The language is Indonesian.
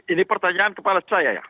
ini pertanyaan kepala saya ya